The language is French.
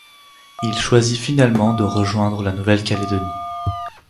Il choisit finalement de rejoindre la Nouvelle-Calédonie.